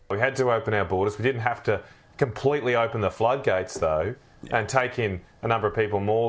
kita harus membuka peraturan kita tapi tidak harus membuka peraturan penutupan dan membawa banyak orang lebih dari negara negara